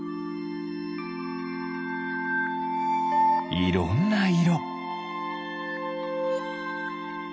いろんないろ。